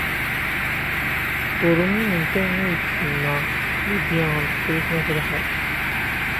Ur uminent ayen ay d-tenna Lidya n Tifrit n At Lḥaǧ.